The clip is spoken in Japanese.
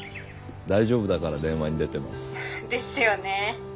大丈夫だから電話に出てます。ですよね。